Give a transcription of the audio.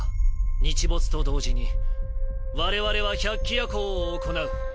日没と同時に我々は百鬼夜行を行う。